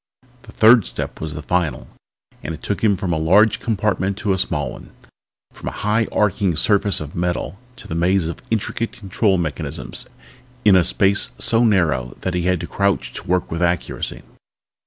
The third step was the final one and it took him from a large compartment to a small one, from a high arching surface of metal to a maze of intricate control mechanisms in a space so narrow that he had to crouch to work with accuracy.